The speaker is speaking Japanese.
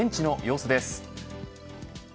現地の様子です。